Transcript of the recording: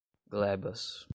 glebas